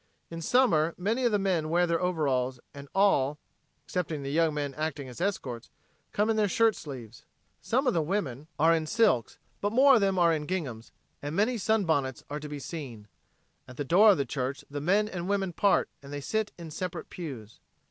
In summer many of the men wear their overalls, and all, excepting the young men acting as escorts, come in their shirt sleeves. Some of the women are in silks, but more of them are in ginghams, and many sunbonnets are to be seen. At the door of the church the men and women part and they sit in separate pews.